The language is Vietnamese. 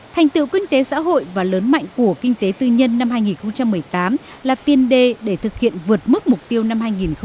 thành tựu kinh tế xã hội và lớn mạnh của kinh tế tư nhân năm hai nghìn một mươi tám là tiên đề để thực hiện vượt mức mục tiêu năm hai nghìn một mươi chín